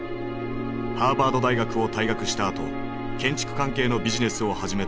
ハーバード大学を退学したあと建築関係のビジネスを始めたが失敗。